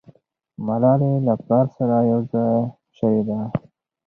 ملالۍ له پلاره سره یو ځای سوې ده.